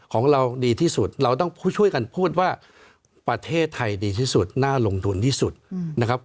ของเราดีที่สุดเราต้องช่วยกันพูดว่าประเทศไทยดีที่สุดน่าลงทุนที่สุดนะครับ